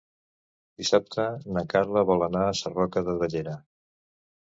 Dissabte na Carla vol anar a Sarroca de Bellera.